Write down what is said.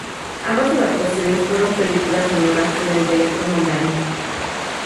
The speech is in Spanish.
Ambas adaptaciones fueron películas sonoras en el dialecto mandarín.